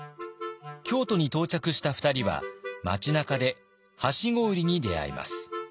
京都に到着した２人は町なかではしご売りに出会います。